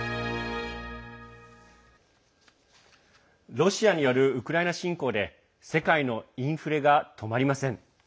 ロシアによるウクライナ侵攻で世界のインフレが止まりません。